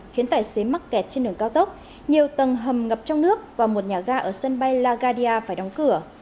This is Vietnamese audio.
khiến tài xế mắc kẹt trên đường cao tốc nhiều tầng hầm ngập trong nước và một nhà ga ở sân bay lagaria phải đóng cửa